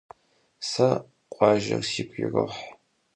Se khuajjer sigu yiroh.